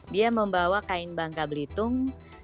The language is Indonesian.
dia membawa kain bangka belitung